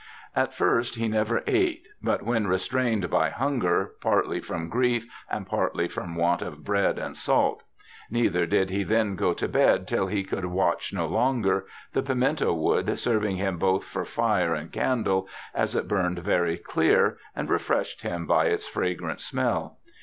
' At first he never ate but when restrained by hunger, partly from grief, and partly for want of bread and salt. Neither did he then go to bed till he could watch no longer, the pimento wood serving him both for fire and candle, as it burned very clear and refreshed him by its fragrant smell.